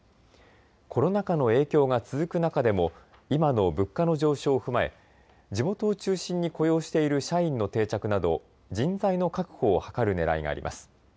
コロナ禍の影響が続く中でも今の物価の上昇を踏まえ地元を中心に雇用している社員の定着など人材の確保を図るねらいがあります。